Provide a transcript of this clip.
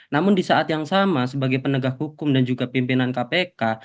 namun di saat yang sama sebagai penegak hukum dan juga pimpinan kpk